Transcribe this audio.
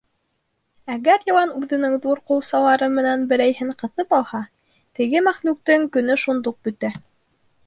Әгәр йылан үҙенең ҙур ҡулсалары менән берәйһен ҡыҫып алһа, теге мәхлүктең көнө шундуҡ бөтә.